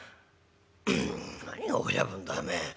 「うん何が親分だおめえ。